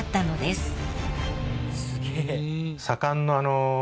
「すげえ」